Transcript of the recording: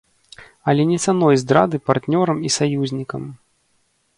Але не цаной здрады партнёрам і саюзнікам.